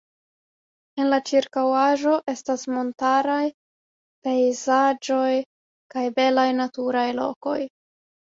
En la ĉirkaŭaĵo estas montaraj pejzaĝoj kaj belaj naturaj lokoj.